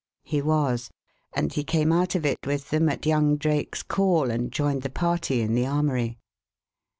He was; and he came out of it with them at young Drake's call, and joined the party in the armoury.